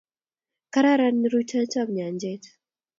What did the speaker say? kararan rutoitoap nyanchet